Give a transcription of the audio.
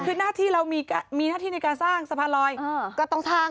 คือหน้าที่เรามีหน้าที่ในการสร้างสะพานลอยก็ต้องสร้าง